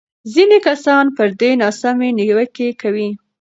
ځینې کسان پر ده ناسمې نیوکې کوي.